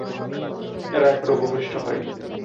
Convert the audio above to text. এরা এখনো ভূমিষ্ঠ হয়নি।